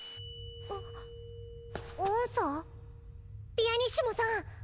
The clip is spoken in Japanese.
ピアニッシモさん！